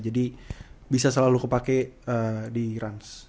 jadi bisa selalu kepake di rans